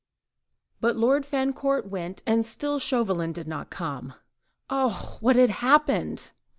But Lord Fancourt went, and still Chauvelin did not come. Oh! what had happened?